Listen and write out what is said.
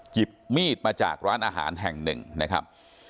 หยิบมีดมาจากร้านอาหารแห่งหนึ่งนะครับ